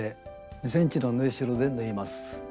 ２ｃｍの縫いしろで縫います。